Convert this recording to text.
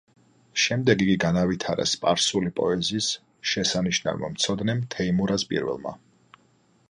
შემდეგ იგი განავითარა სპარსული პოეზიის შესანიშნავმა მცოდნემ თეიმურაზ პირველმა.